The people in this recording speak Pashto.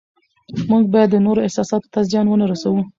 موږ باید د نورو احساساتو ته زیان ونه رسوو